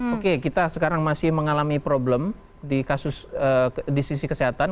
oke kita sekarang masih mengalami problem di sisi kesehatan